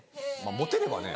持てればね。